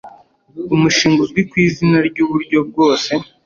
umushinga uzwi ku izina ry uburyo bwose